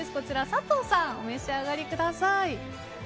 佐藤さん、お召し上がりください。